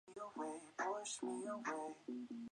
爱达荷州参议院是美国爱达荷州议会的上议院。